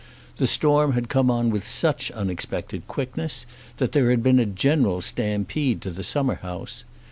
The storm had come on with such unexpected quickness that there had been a general stampede to the summer house.